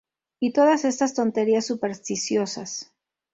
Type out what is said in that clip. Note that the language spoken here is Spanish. Y todas estas tonterías supersticiosas".